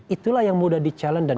itulah yang mudah di challenge dan